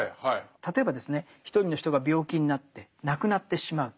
例えばですね一人の人が病気になって亡くなってしまう。